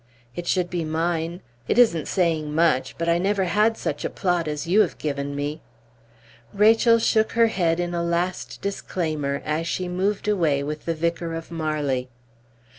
"It should be mine. It isn't saying much; but I never had such a plot as you have given me!" Rachel shook her head in a last disclaimer as she moved away with the Vicar of Marley.